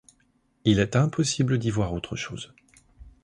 Il est impossible d'y voir autre chose.